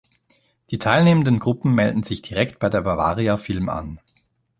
Die teilnehmenden Gruppen melden sich direkt bei der Bavaria Film an.